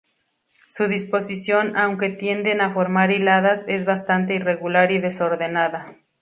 Su disposición, aunque tienden a formar hiladas, es bastante irregular y desordenada.